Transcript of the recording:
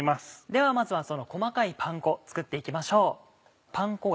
ではまずはその細かいパン粉作って行きましょう。